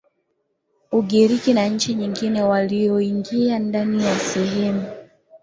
Ugiriki na nchi nyingine walioingia ndani ya sehemu